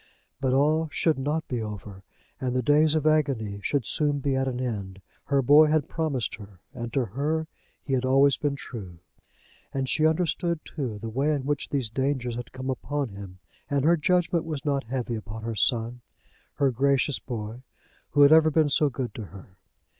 But all should not be over, and the days of agony should soon be at an end. Her boy had promised her, and to her he had always been true. And she understood, too, the way in which these dangers had come upon him, and her judgment was not heavy upon her son; her gracious boy, who had ever been so good to her!